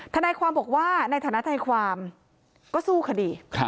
ทนายความบอกว่าในฐานะทนายความก็สู้คดี